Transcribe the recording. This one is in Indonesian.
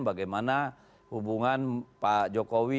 bagaimana hubungan pak jokowi